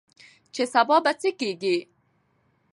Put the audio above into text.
چې سبا به څه کيږي؟